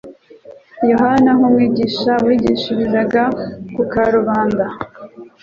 Yohana nk’umwigisha wigishirizaga ku karubanda,